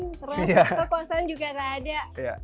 terus kekuasaan juga gak ada